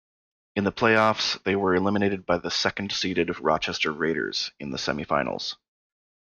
In the playoffs, they were eliminated by the second-seeded Rochester Raiders in the semifinals.